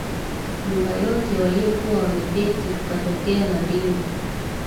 nyumba yote waliyokuwa wameketi Kukatokea na ndimi